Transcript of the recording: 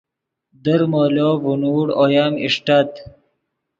در مولو ڤینوڑ اویم اݰٹت